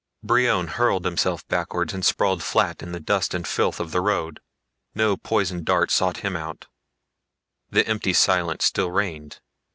XV Brion hurled himself backward and sprawled flat in the dust and filth of the road. No poison dart sought him out; the empty silence still reigned.